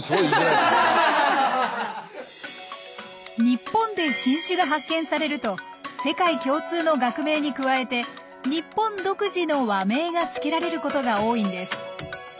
日本で新種が発見されると世界共通の学名に加えて日本独自の和名がつけられることが多いんです。